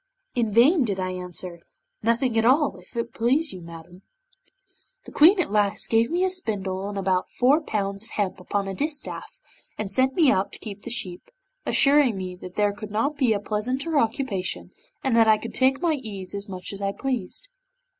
In vain did I answer '"Nothing at all, if it please you, madam." 'The Queen at last gave me a spindle and about four pounds of hemp upon a distaff, and sent me out to keep the sheep, assuring me that there could not be a pleasanter occupation, and that I could take my ease as much as I pleased.